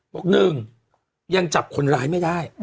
บอก๑ยังจับคนร้ายไม่ได้